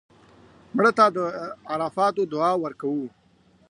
مړه ته د عرفاتو دعا ورکوو